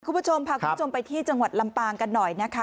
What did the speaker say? คุณผู้ชมพาคุณผู้ชมไปที่จังหวัดลำปางกันหน่อยนะคะ